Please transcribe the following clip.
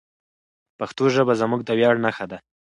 پښتو ژبه زموږ د ویاړ نښه ده.